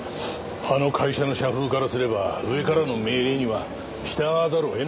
あの会社の社風からすれば上からの命令には従わざるを得なかったんだろう。